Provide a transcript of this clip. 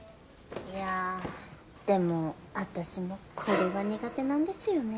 いやでも私もこれは苦手なんですよね。